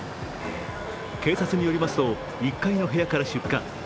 警察によりますと、１階の部屋から出火。